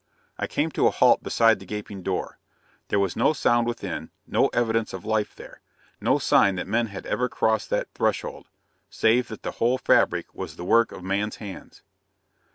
I came to a halt beside the gaping door. There was no sound within, no evidence of life there, no sign that men had ever crossed that threshold, save that the whole fabric was the work of man's hands.